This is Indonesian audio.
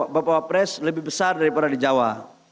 bapak wapres lebih besar daripada di jawa